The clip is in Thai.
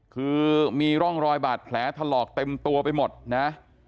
คือมีร่องรอยบาดแผลถลอกเต็มตัวไปหมดนะ